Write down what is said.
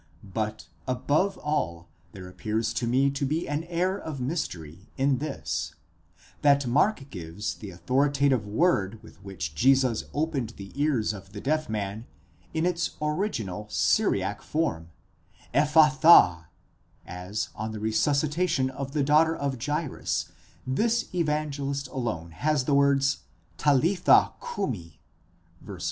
~But above all, there appears to me to be an air of mystery in this, that Mark gives the authoritative word with which Jesus opened the ears of the deaf man in its original Syriac form, ἐφφαθὰ, as on the resuscitation of the daughter of Jairus, this Evangelist alone has the words ταλιθὰ κοῦμι (v. 41).